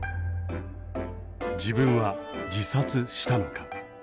自分は自殺したのか。